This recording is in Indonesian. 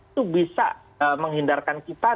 itu bisa menghindarkan kita